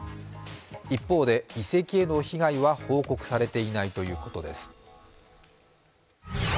一方で、遺跡への被害は報告されていないということです。